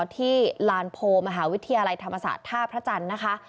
ที่ลานโพมหาวิทยาลัยธรรมศาสตร์ท่าพระจันทร์นะคะ